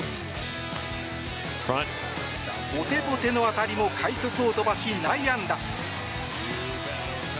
ボテボテの当たりも快足を飛ばし内野安打。